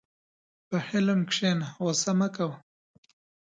په حلم کښېنه، غوسه مه کوه.